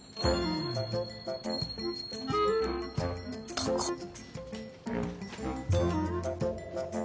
高っ。